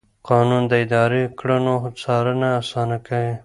قانون د اداري کړنو څارنه اسانه کوي.